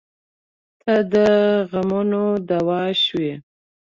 • ته د غمونو دوا شوې.